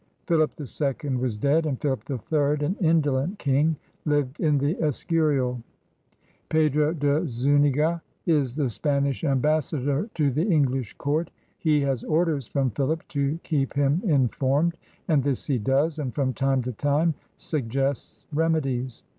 Philip the Second was dead; and Philip the Third, an indolent king, lived in the Eseurial. Pedro de Zufiiga is the Spanish Ambassador to the English Court. He has orders from Philip to keep him informed, and this he does, and from time to time suggests remedies.